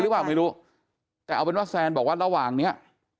หรือเปล่าไม่รู้แต่เอาเป็นว่าแซนบอกว่าระหว่างเนี้ย